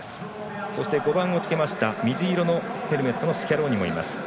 そして５番をつけました水色のヘルメットのスキャローニもいます。